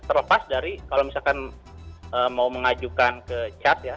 terlepas dari kalau misalkan mau mengajukan ke cat ya